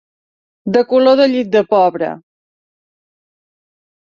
De color de llit de pobre